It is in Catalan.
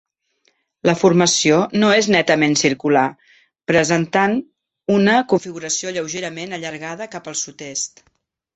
La formació no és netament circular, presentant una configuració lleugerament allargada cap al sud-est.